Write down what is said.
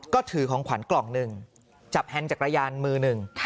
ก็ถือของขวัญกล่องหนึ่งจับแฮนด์จักรยานมือหนึ่ง